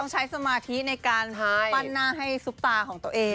ใช้สมาธิในการปั้นหน้าให้ซุปตาของตัวเอง